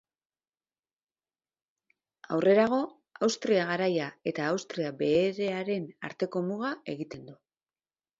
Aurrerago Austria Garaia eta Austria Beherearen arteko muga egiten du.